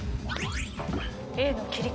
Ａの切り株。